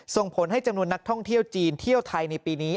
ส่งผลให้จำนวนนักท่องเที่ยวจีนเที่ยวไทยในปีนี้